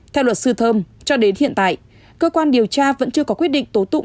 theo luật sư thơm cho đến hiện tại cơ quan điều tra vẫn chưa có quyết định tố tụng